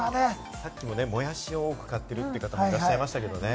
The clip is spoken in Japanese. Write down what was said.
さっきも、もやしを多く買っているという方いらっしゃいましたけどね。